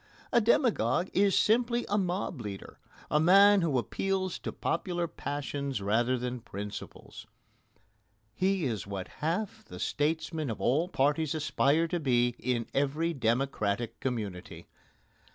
A demagogue is simply a mob leader a man who appeals to popular passions rather than principles. He is what half the statesmen of all parties aspire to be in every democratic community.